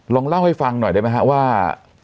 ลองเล่าให้ฟังหน่อยได้ไหมฮะว่า